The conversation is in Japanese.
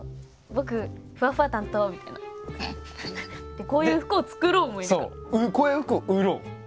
でこういう服も作ろうもいる。